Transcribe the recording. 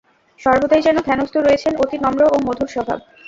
সর্বদাই যেন ধ্যানস্থ রয়েছেন, অতি নম্র ও মধুরস্বভাব।